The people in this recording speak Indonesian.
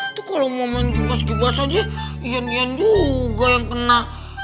itu kalau mau main jingkas jingkas aja yan yan juga yang kena